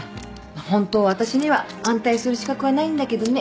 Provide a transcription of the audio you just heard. ホントは私には反対する資格はないんだけどね。